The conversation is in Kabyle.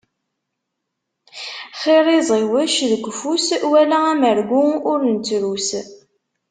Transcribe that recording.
Xir iẓiwec deg ufus, wala amergu ur nettrus.